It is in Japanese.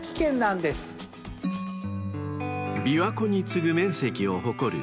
［琵琶湖に次ぐ面積を誇る］